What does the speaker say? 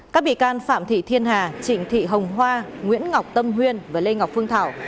các bị can phạm thị thiên hà trịnh thị hồng hoa nguyễn ngọc tâm huyên và lê ngọc phương thảo